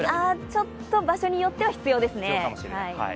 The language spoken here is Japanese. ちょっと場所によっては必要ですね。